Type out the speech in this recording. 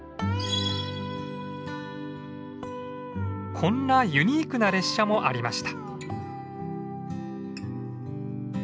こんなユニークな列車もありました。